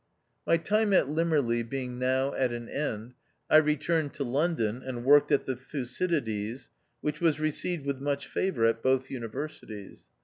My time at Limmerleigh being now at an end, I returned to London, and worked at the Thucydides, which was received with much favour at both Universities.